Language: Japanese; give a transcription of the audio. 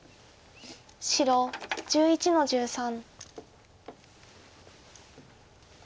白１１の十三。